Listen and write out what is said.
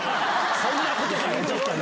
そんなことかよ。